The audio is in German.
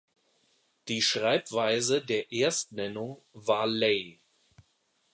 Die Schreibweise der Erstnennung war "Ley".